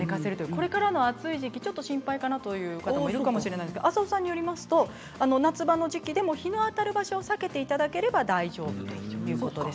これからの暑い時期ちょっと心配かなという方もいらっしゃるかもしれませんが浅尾さんによりますと夏場の時期でも日の当たる場所を避けていただければ大丈夫ということです。